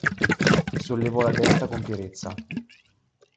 Sollevò la testa con fierezza.